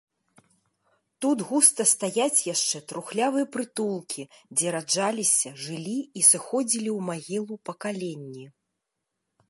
Тут густа стаяць яшчэ трухлявыя прытулкі, дзе раджаліся, жылі і сыходзілі ў магілу пакаленні.